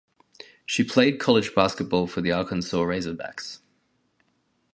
She played college basketball for the Arkansas Razorbacks.